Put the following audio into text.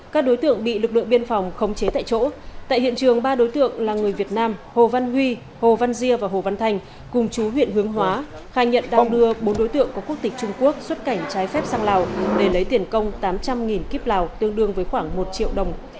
các đối tượng bị lực lượng biên phòng khống chế tại chỗ tại hiện trường ba đối tượng là người việt nam hồ văn huy hồ văn diê và hồ văn thành cùng chú huyện hướng hóa khai nhận đang đưa bốn đối tượng có quốc tịch trung quốc xuất cảnh trái phép sang lào để lấy tiền công tám trăm linh kip lào tương đương với khoảng một triệu đồng